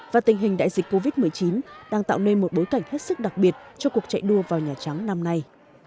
và tình hình đại dịch covid một mươi chín đang tạo nên một bối cảnh hết sức đặc biệt cho cuộc chạy đua vào nhà trắng năm nay